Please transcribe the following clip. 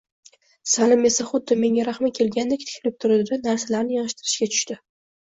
Salim esa xuddi menga rahmi kelgandek tikilib turdi-da, narsalarini yigʻishtirishga tushdi.